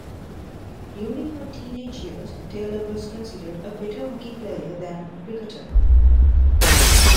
During her teenage years, Taylor was considered a better hockey player than cricketer.